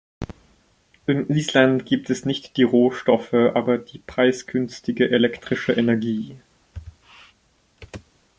In Island gibt es nicht die Rohstoffe, aber die preisgünstige elektrische Energie.